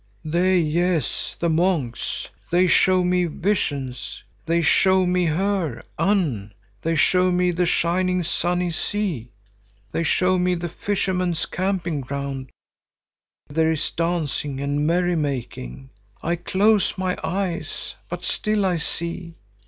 "They, yes, the monks. They show me visions. They show me her, Unn. They show me the shining, sunny sea. They show me the fishermen's camping ground, where there is dancing and merrymaking. I close my eyes, but still I see.